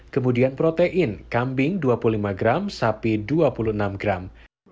kemudian protein kambing dua puluh lima gram sapi dua puluh enam gram